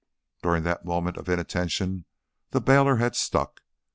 During that moment of inattention the bailer had stuck.